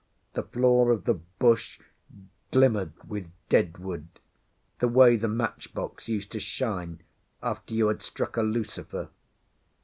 The floor of the bush glimmered with dead wood, the way the match box used to shine after you had struck a lucifer.